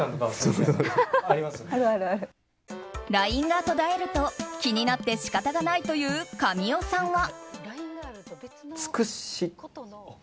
ＬＩＮＥが途絶えると気になって仕方がないという神尾さんは。